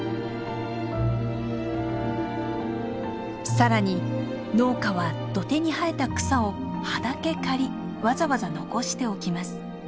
さらに農家は土手に生えた草を葉だけ刈りわざわざ残しておきます。